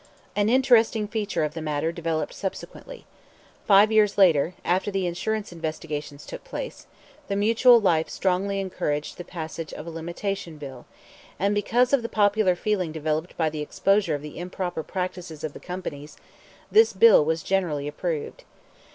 An interesting feature of the matter developed subsequently. Five years later, after the insurance investigations took place, the Mutual Life strongly urged the passage of a Limitation Bill, and, because of the popular feeling developed by the exposure of the improper practices of the companies, this bill was generally approved.